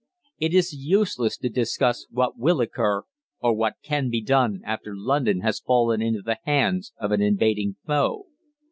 It is useless to discuss what will occur or what can be done after London has fallen into the hands of an invading foe.